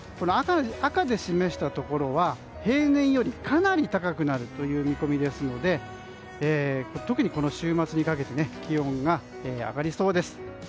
赤で示したところは平年よりかなり高くなるという見込みですので特にこの週末にかけて気温が上がりそうです。